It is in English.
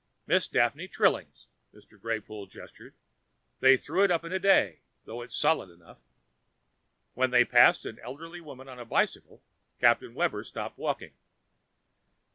"Miss Daphne Trilling's," said Mr. Greypoole, gesturing. "They threw it up in a day, though it's solid enough." When they had passed an elderly woman on a bicycle, Captain Webber stopped walking.